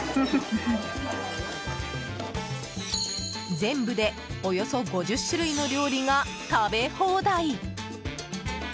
全部でおよそ５０種類の料理が食べ放題。